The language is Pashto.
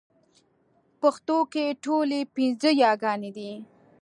پښتو کې ټولې پنځه يېګانې دي